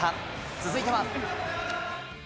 続いては。